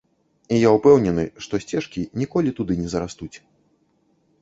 І я ўпэўнены, што сцежкі ніколі туды не зарастуць.